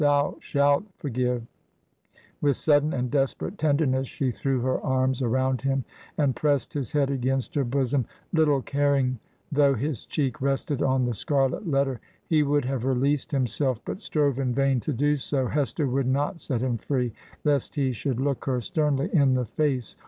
Thou shalt forgive 1' With sudden and desperate tenderness, she threw her arms around him, and pressed his head against her bosom; little caring though his cheek rested on the scarlet letter. He would have released himself, but strove in vain to do so. Hester would not set him free, lest he should look her sternly in the face.